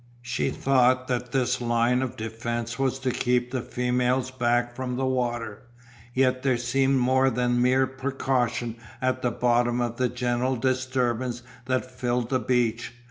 She thought that this line of defence was to keep the females back from the water, yet there seemed more than mere precaution at the bottom of the general disturbance that filled the beach.